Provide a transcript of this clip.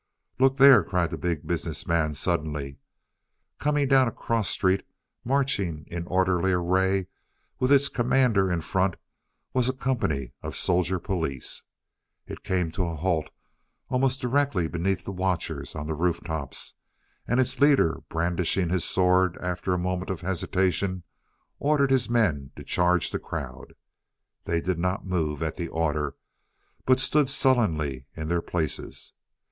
"Look there," cried the Big Business Man suddenly. Coming down a cross street, marching in orderly array with its commander in front, was a company of soldier police. It came to a halt almost directly beneath the watchers on the roof tops, and its leader brandishing his sword after a moment of hesitation, ordered his men to charge the crowd. They did not move at the order, but stood sullenly in their places.